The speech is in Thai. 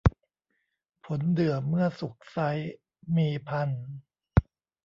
ผลเดื่อเมื่อสุกไซร้ มีพรรณ